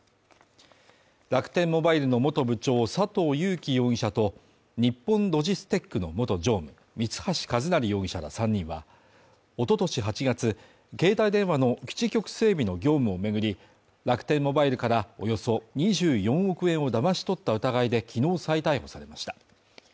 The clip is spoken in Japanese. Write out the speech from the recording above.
楽天モバイルの元部長佐藤友紀容疑者と、日本ロジステックの元常務、三橋一成容疑者ら３人は、おととし８月、携帯電話の基地局整備の業務を巡り、楽天モバイルからおよそ２４億円をだまし取った疑いできのう再逮捕されました。